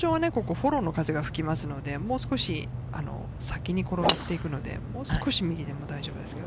通常はここ、フォローの風が吹きますので、もう少し先に転がっていくので、もう少し右でも大丈夫です。